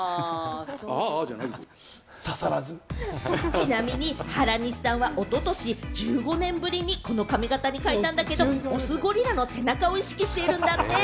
ちなみに原西さんは、おととし１５年ぶりにこの髪形に変えたんだけど、雄ゴリラの背中をイメージしているんだって。